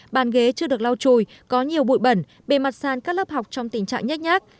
bàn ghế chưa được lau chùi có nhiều bụi bẩn bề mặt sàn các lớp học trong tình trạng nhách nhác